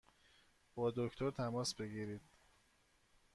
با دکتر تماس بگیرید!